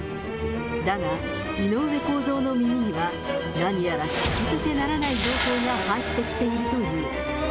だが、井上公造の耳には、何やら聞き捨てならない情報が入ってきているという。